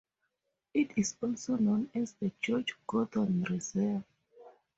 It is also known as the George Gordon Reserve.